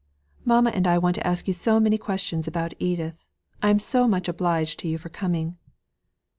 "Mamma and I want to ask you so many questions about Edith; I am so much obliged to you for coming."